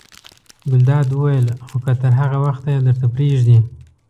ګلداد وویل: خو که تر هغه وخته یې درته پرېږدي.